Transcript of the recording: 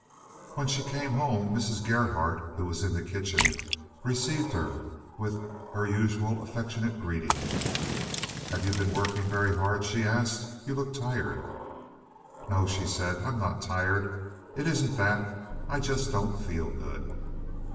When she came home Mrs. Gerhardt, who was in the kitchen, received her with her usual affectionate greeting. "Have you been working very hard?" she asked. "You look tired." "No," she said, "I'm not tired. It isn't that. I just don't feel good."